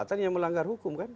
perbuatan yang melanggar hukum kan